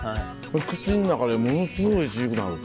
口の中でものすごいおいしくなる。